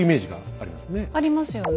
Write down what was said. ありますよね。